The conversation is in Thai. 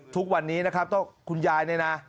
ทุกวันนี้นะครับต้องคุณยายเนี่ยนะ